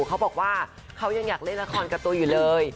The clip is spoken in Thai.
เขาบอกว่าเขายังอยากเล่นละครกับตัวอยู่เลย